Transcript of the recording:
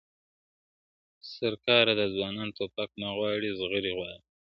o سرکاره دا ځوانان توپک نه غواړي؛ زغري غواړي.